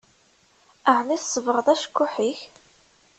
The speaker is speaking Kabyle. Aɛni tsebɣeḍ acekkuḥ-ik?